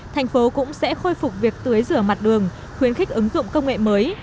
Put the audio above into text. thành phố cũng sẽ khôi phục việc tưới rửa mặt đường khuyến khích ứng dụng công nghệ mới